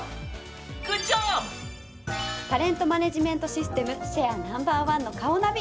タレントマネジメントシステムシェアＮｏ．１のカオナビ。